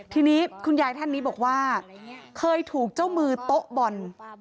ทีนี้คุณยายท่านนี้บอกว่าเคยถูกเจ้ามือโต๊ะบอล